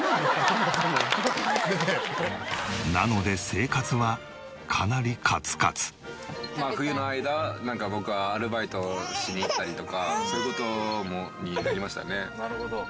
なので冬の間僕がアルバイトしに行ったりとかする事になりましたね。